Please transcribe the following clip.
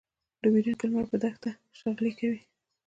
ډوبېدونکی لمر پر دښته شغلې کولې.